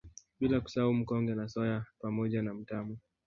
Bila kusahau Mkonge na Soya pamoja na mtama